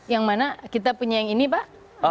yang mana kita punya yang ini pak